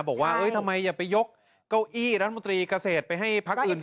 บอกว่าทำไมอย่าไปยกเก้าอี้รัฐมนตรีกระเศษไปให้ภาคอื่นสิ